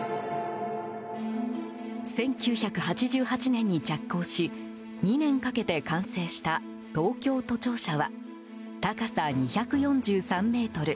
１９８８年に着工し２年かけて完成した東京都庁舎は高さ２４３ｍ。